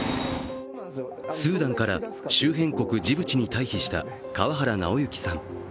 スーダンから周辺国ジブチに退避した川原尚行さん。